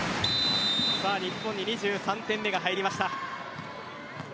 日本に２３点目が入りました。